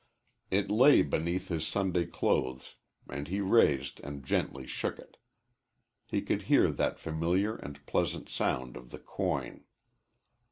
It lay beneath his Sunday clothes, and he raised and gently shook it. He could hear that familiar and pleasant sound of the coin.